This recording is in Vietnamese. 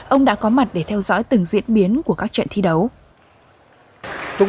ông đã có mặt để theo dõi từng diễn biến của các trận thi đấu